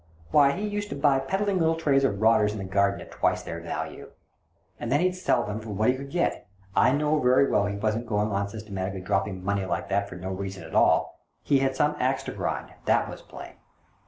Why, he used to buy peddling little trays of rotters in the Garden at twice their value ! And then he'd sell them for what he could get. I knew very well he wasn't going on systematically dropping money like that for no reason at all. He had some axe to grind, that was plain.